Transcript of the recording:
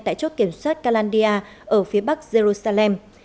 tại chốt kiểm soát kalandia ở phía bắc jerusalem